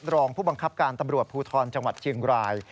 รองผู้บังคับการตำรวจภูทรจังหวัดเชียงราย